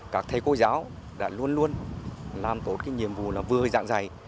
các thầy cô giáo đã luôn luôn làm tốt cái nhiệm vụ là vừa dạng dạy